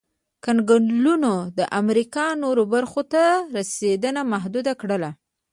کنګلونو د امریکا نورو برخو ته رسېدل محدود کړل.